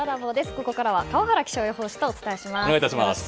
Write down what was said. ここからは川原気象予報士とお伝えします。